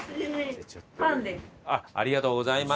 ありがとうございます。